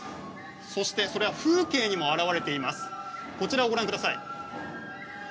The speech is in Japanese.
それは風景にも表れています。